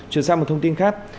chuyển sang một thông tin khác